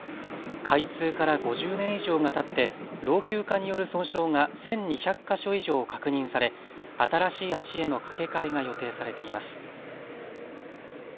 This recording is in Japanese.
開通から５０年以上がたって老朽化による損傷が１２００か所以上確認され、新しい橋への架け替えが予定されています。